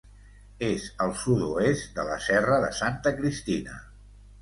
És al sud-oest de la Serra de Santa Cristina.